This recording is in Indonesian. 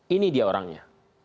ini dia orangnya